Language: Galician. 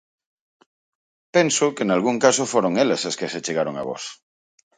Penso que nalgún caso foron elas as que se achegaron a vós.